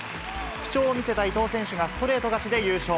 復調を見せた伊藤選手がストレート勝ちで優勝。